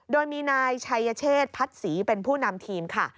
โดยมีนายชัยเชษพัดศรีเป็นผู้นำทีมค่ะ